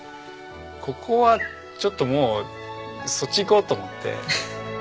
ここはちょっともうそっち行こう！と思って。